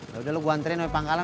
yaudah gue anterin sama pangkalan